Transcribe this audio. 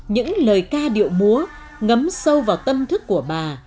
những lời ca điệu múa ngấm sâu vào tâm thức của bà